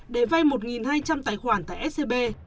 để vay một hai trăm linh tài khoản tại scb